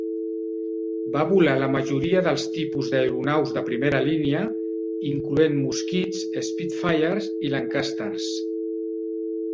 Va volar la majoria dels tipus d'aeronaus de primera línia, incloent Mosquits, Spitfires i Lancasters.